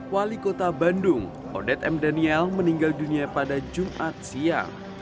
wali kota bandung odet m daniel meninggal dunia pada jumat siang